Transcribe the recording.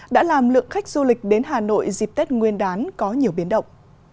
đã làm lượng khách du lịch đến hà nội dịp tết nguyên đán có nhiều biến động